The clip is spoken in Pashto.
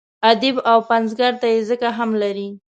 ادیب او پنځګر ته یې ځکه هم لري.